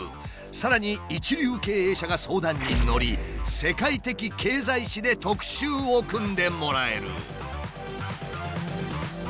さらに一流経営者が相談に乗り世界的経済誌で特集を組んでもらえる。